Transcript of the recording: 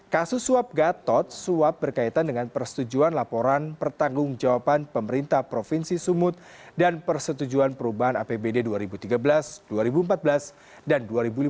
kasus suap gatot suap berkaitan dengan persetujuan laporan pertanggung jawaban pemerintah provinsi sumut dan persetujuan perubahan apbd dua ribu tiga belas dua ribu empat belas dan dua ribu lima belas